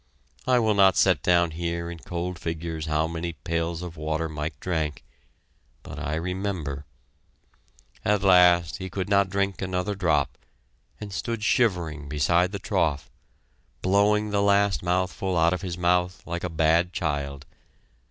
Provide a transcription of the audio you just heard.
I will not set down here in cold figures how many pails of water Mike drank but I remember. At last he could not drink another drop, and stood shivering beside the trough, blowing the last mouthful out of his mouth like a bad child.